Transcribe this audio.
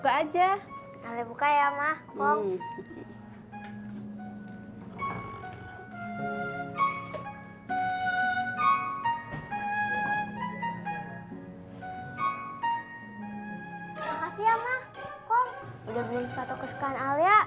kok udah beli sepatu kesukaan alia